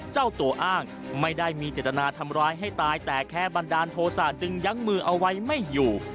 เจ้าตัวอ้างไม่ได้มีเจตนาทำร้ายให้ตายแต่แค่บันดาลโทษะจึงยั้งมือเอาไว้ไม่อยู่